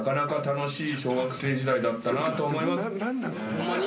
ホンマに？